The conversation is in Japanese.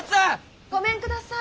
ごめんください。